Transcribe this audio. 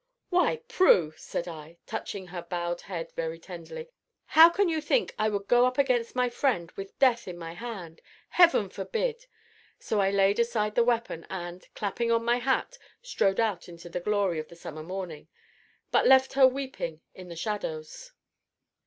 "Why, Prue!" said I, touching her bowed head very tenderly, "how can you think I would go up against my friend with death in my hand Heaven forbid!" So I laid aside the weapon and, clapping on my hat, strode out into the glory of the summer morning, but left her weeping in the shadows.